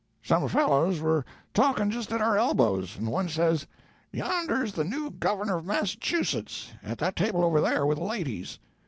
Some fellows were talking just at our elbow, and one says, 'Yonder's the new governor of Massachusetts at that table over there with the ladies.'